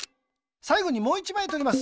さいごにもう１まいとります。